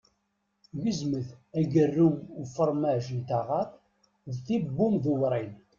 Gezmet agerrum ufermaj n taɣaṭ d tibumdewwrin.